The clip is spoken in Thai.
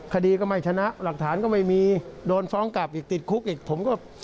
คดีก็ไม่ชนะหลักฐานก็ไม่มีโดนฟ้องกลับอีกติดคุกอีกผมก็